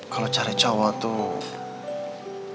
kalo cari cowok tuh